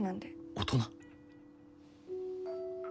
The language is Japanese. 大人？